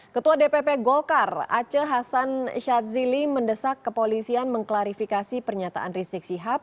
ketua dpp golkar aceh hasan syadzili mendesak kepolisian mengklarifikasi pernyataan rizik sihab